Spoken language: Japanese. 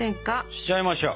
しちゃいましょう！